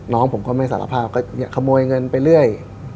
น้องผมก็ไม่สารภาพก็ขโมยเงินไปเรื่อย